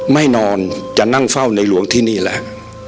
ไม่นอนจะนั่งเฝ้าในหลวงที่นี่แหละ